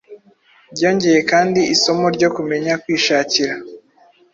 Byongeye kandi isomo ryo kumenya kwishakira